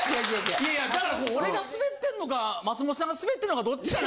いやいやだから俺がスベってんのか松本さんがスベってんのかどっちかな？